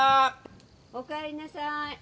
おかえりなさい。